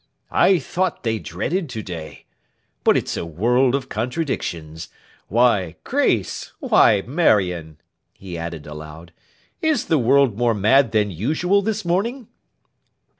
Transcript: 'I thought they dreaded to day. But it's a world of contradictions. Why, Grace, why, Marion!' he added, aloud, 'is the world more mad than usual this morning?